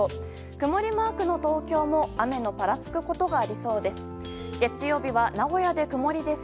曇りマークの東京も雨のぱらつくことがありそうです。